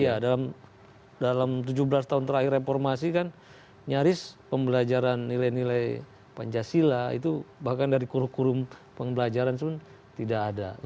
iya dalam tujuh belas tahun terakhir reformasi kan nyaris pembelajaran nilai nilai pancasila itu bahkan dari kurum kurum pembelajaran pun tidak ada